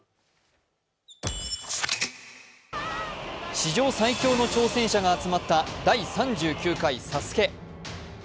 史上最強の挑戦者が集まった第３９回「ＳＡＳＵＫＥ」。